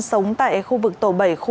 sống tại khu vực tổ bảy khu hai